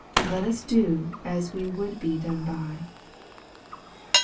Let us do as we would be done by.